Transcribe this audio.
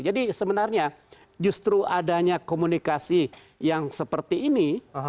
jadi sebenarnya justru adanya komunikasi yang seperti ini